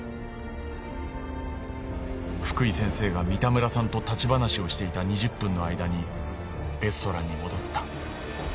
福井先生が三田村さんと立ち話をしていた２０分の間にレストランに戻った。